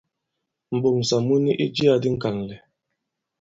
M̀ɓoŋsà mu ni i jiyā di ŋ̀kànlɛ̀.